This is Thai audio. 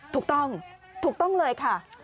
ถูกต้องถูกต้องเลยค่ะ